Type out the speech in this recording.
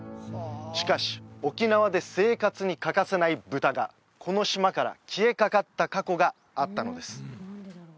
しかし沖縄で生活に欠かせない豚がこの島から消えかかった過去があったのです